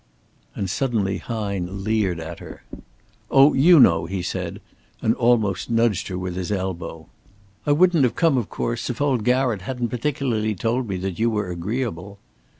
And suddenly Hine leered at her. "Oh, you know!" he said, and almost he nudged her with his elbow. "I wouldn't have come, of course, if old Garratt hadn't particularly told me that you were agreeable."